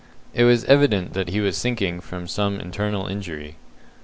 It was evident that he was sinking from some internal injury.